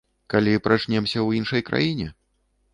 Калі прачнемся ў іншай краіне?